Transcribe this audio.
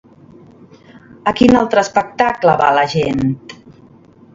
A quin altre espectacle va la gent?